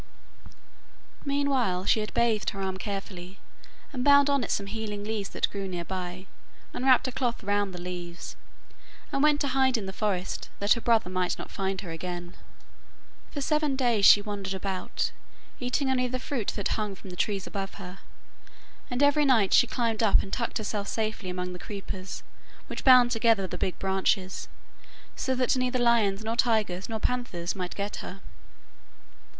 Meanwhile she had bathed her arm carefully, and bound on it some healing leaves that grew near by, and wrapped a cloth round the leaves, and went to hide in the forest, that her brother might not find her again. For seven days she wandered about, eating only the fruit that hung from the trees above her, and every night she climbed up and tucked herself safely among the creepers which bound together the big branches, so that neither lions nor tigers nor panthers might get at her.